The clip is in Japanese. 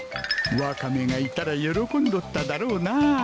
ワカメがいたら喜んどっただろうな